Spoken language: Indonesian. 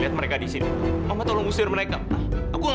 terima kasih tuhan